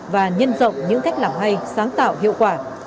và nhân rộng những cách làm hay sáng tạo hiệu quả